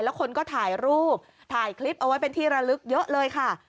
แล้วคนก็ถ่ายรูปถ่ายคลิปเอาไว้เป็นที่ระลึกเยอะเลยค่ะ